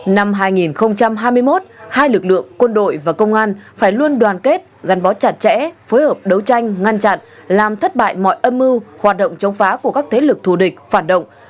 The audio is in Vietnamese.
năm hai nghìn hai mươi một hai lực lượng quân đội và công an phải luôn đoàn kết gắn bó chặt chẽ phối hợp đấu tranh ngăn chặn làm thất bại mọi âm mưu hoạt động chống phá của các thế lực thù địch phản động